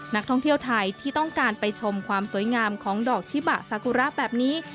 นักท่องเที่ยวไทยที่ต้องการไปชมความสวยงามของดอกชิบะซากุระแบบนี้